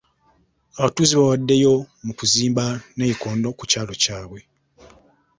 Abatuuze baawaddeyo mu kuzimba nnayikondo mu kyalo kyabwe.